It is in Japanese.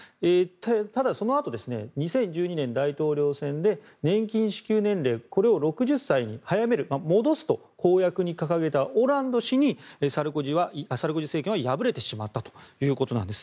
ただ、そのあと２０１２年の大統領選で年金支給年齢を６０歳に早める戻すと公約に掲げたオランド氏にサルコジ政権は敗れてしまったということです。